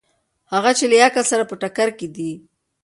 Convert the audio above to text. هغه چې له عقل سره په ټکر کې دي.